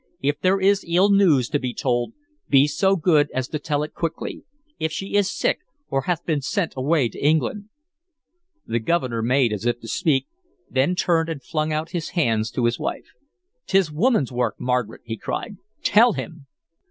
"If there is ill news to be told, be so good as to tell it quickly. If she is sick, or hath been sent away to England" The Governor made as if to speak, then turned and flung out his hands to his wife. "'T is woman's work, Margaret!" he cried. "Tell him!"